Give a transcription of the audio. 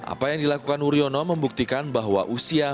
apa yang dilakukan wuryono membuktikan bahwa usia